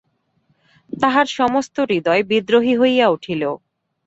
তাহার সমস্ত হৃদয় বিদ্রোহী হইয়া উঠিল।